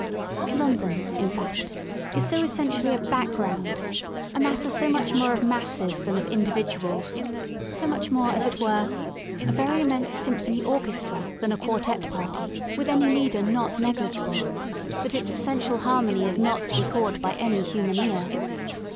London, in fact, is so essentially a background, a matter so much more of masses than of individuals, so much more, as it were, a very immense symphony orchestra than a quartette party with any leader not negligible, that its essential harmony is not to be caught by any human ear.